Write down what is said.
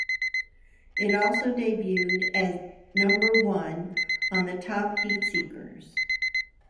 It also debuted at number one on the Top Heatseekers.